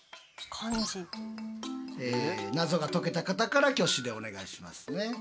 謎が解けた方から挙手でお願いしますね。